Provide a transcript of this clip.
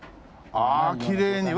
ああきれいに。